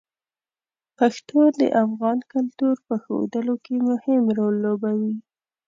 پښتو د افغان کلتور په ښودلو کې مهم رول لوبوي.